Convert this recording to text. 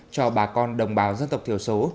cho bà con đồng bào dân tộc thiểu số